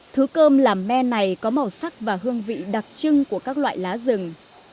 thứ cơm làm men này có màu sắc và hương vị đặc trưng của các loại lá rừng